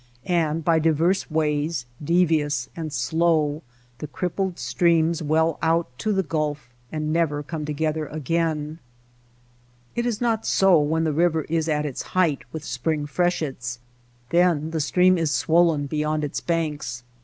And by divers ways, devious and slow, the crippled streams well out to the Gulf and never come together again. It is not so when the river is at its height with spring freshets. Then the stream is swollen beyond its banks.